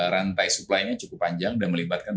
rantai supply nya cukup panjang dan melibatkan